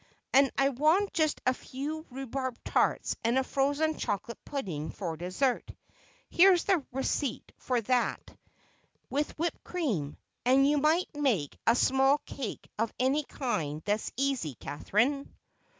And I want just a few rhubarb tarts and a frozen chocolate pudding for dessert—here's the receipt for that—with whipped cream. And you might make a small cake of any kind that's easy, Catherine."